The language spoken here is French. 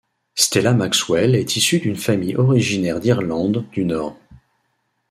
Stella Maxwell est issue d'une famille originaire d'Irlande du Nord.